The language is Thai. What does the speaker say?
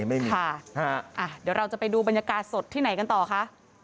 ไม่มีค่ะเดี๋ยวเราจะไปดูบรรยากาศสดที่ไหนกันต่อคะ